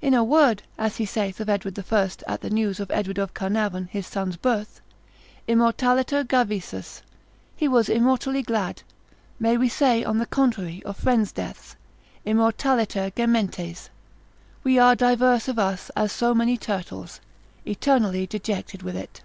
In a word, as he saith of Edward the First at the news of Edward of Caernarvon his son's birth, immortaliter gavisus, he was immortally glad, may we say on the contrary of friends' deaths, immortaliter gementes, we are diverse of us as so many turtles, eternally dejected with it.